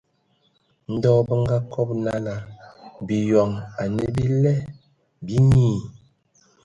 Ndɔ bǝ ngabɔ nala biyon anǝ bila binyii.